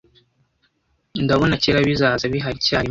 Ndabona Kera bizaza bihari icyarimwe